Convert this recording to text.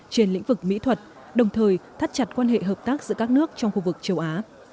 trên lĩnh vực mỹ thuật đồng thời thắt chặt quan hệ hợp tác giữa các nước trong khu vực châu á